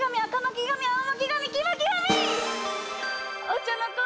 お茶の子